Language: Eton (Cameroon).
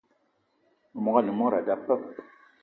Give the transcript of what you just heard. Memogo ane mod a da peuk.